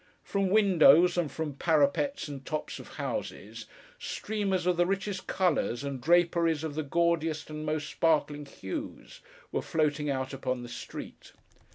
From windows, and from parapets, and tops of houses, streamers of the richest colours, and draperies of the gaudiest and most sparkling hues, were floating out upon the street.